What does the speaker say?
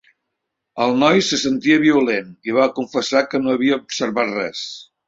El noi se sentia violent i va confessar que no havia observat res.